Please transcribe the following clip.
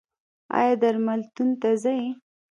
ایا درملتون ته ځئ؟